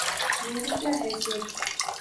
میری کیا حیثیت؟